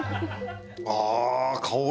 ああ香り